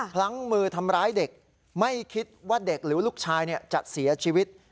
พลั้งมือทำร้ายเด็กไม่คิดว่าเด็กหรือลูกชายจะเสียชีวิต